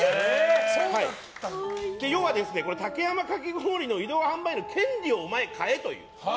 要は、竹山かき氷の移動販売の権利を買えという。